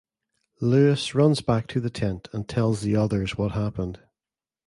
Lewis runs back to the tent and tells the others what happened.